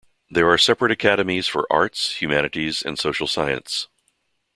There are separate academies for Arts, Humanities and Social Science.